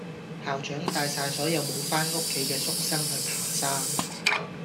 校長帶晒所有無返屋企嘅宿生去爬山